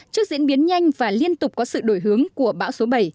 trước diễn biến nhanh và liên tục có sự đổi hướng của bão số bảy